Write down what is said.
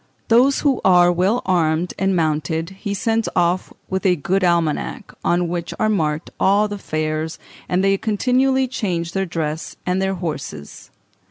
Those who are well armed and mounted he sends off with a good almanac, on which are marked all the fairs, and they continually change their dress and their horses.